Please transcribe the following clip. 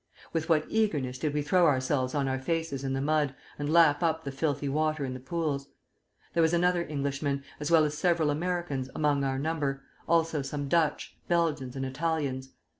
With what eagerness did we throw ourselves on our faces in the mud, and lap up the filthy water in the pools! There was another Englishman, as well as several Americans, among our number, also some Dutch, Belgians, and Italians.